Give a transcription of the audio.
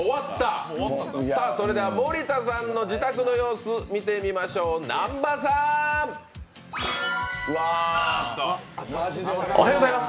それでは森田さんの自宅の様子、見てみましょう、南波さん！おはようございます